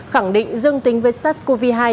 khẳng định dương tính với sars cov hai